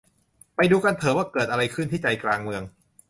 ไปดูกันเถอะว่าเกิดอะไรขึ้นที่ใจกลางเมือง